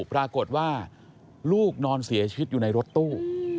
ปรากฏว่าลูกนอนเสียชีวิตอยู่ในรถตู้